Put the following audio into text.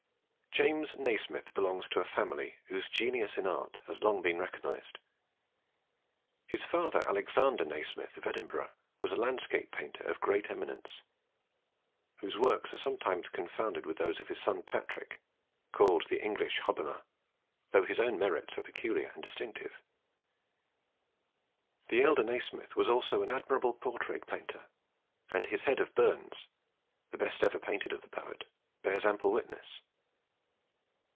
James Nasmyth belongs to a family whose genius in art has long been recognised. His father, Alexander Nasmyth of Edinburgh, was a landscape painter of great eminence, whose works are sometimes confounded with those of his son Patrick, called the English Hobbema, though his own merits are peculiar and distinctive. The elder Nasmyth was also an admirable portrait painter, as his head of Burns the best ever painted of the poet bears ample witness.